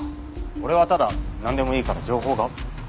俺はただなんでもいいから情報が。